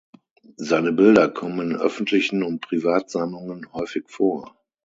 Seine Bilder kommen in öffentlichen und Privatsammlungen häufig vor.